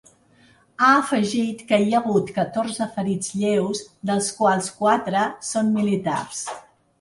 Ha afegit que hi ha hagut catorze ferits lleus, dels quals quatre són militars.